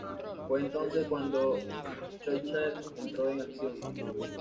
Fue entonces cuando Schleicher entró en acción.